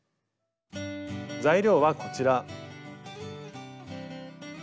材料はこちら。